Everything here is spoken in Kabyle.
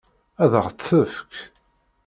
Ad ɣ-tt-tefk?